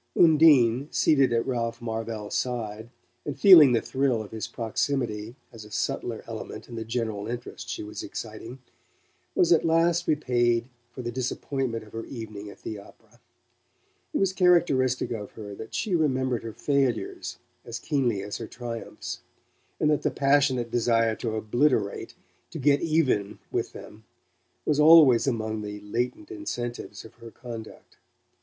Undine, seated at Ralph Marvell's side, and feeling the thrill of his proximity as a subtler element in the general interest she was exciting, was at last repaid for the disappointment of her evening at the opera. It was characteristic of her that she remembered her failures as keenly as her triumphs, and that the passionate desire to obliterate, to "get even" with them, was always among the latent incentives of her conduct.